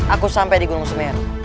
aku sampai di gunung semeru